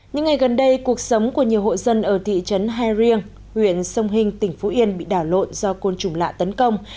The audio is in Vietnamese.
những ngày gần đây cuộc sống của nhiều hộ dân ở thị trấn hai riêng huyện sông hinh tỉnh phú yên bị đảo lộn do côn trùng lạ tấn công